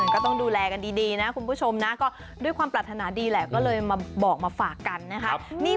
ก็ต้องดูแลกันดีนะคุณผู้ชมนะก็ด้วยความปรารถนาดีแหละก็เลยมาบอกมาฝากกันนะครับ